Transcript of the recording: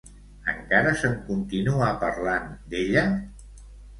Encara se'n continua parlant, d'ella?